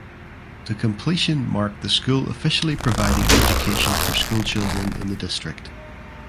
The completion marked the school officially providing education for school children in the district.